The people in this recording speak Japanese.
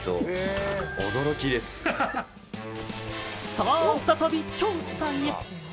さぁ、再び調査へ。